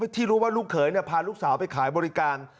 ที่รู้ว่าลูกเขยพาลูกสาวไปขายบริการ